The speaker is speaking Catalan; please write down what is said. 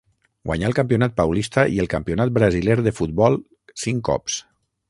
Guanyà el Campionat paulista i el Campionat brasiler de futbol cinc cops.